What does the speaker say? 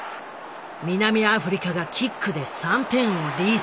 南アフリカがキックで３点をリード。